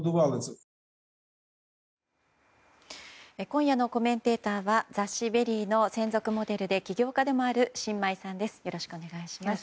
今夜のコメンテーターは雑誌「ＶＥＲＹ」の専属モデルで起業家でもある申真衣さんです。